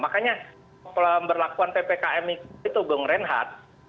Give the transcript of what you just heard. makanya pelaksanaan ppkm itu bengrenhat